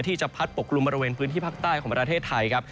ที่จะพัดปกกลุ่มบริเวณพื้นที่ภาคใต้ของประเทศไทยครับ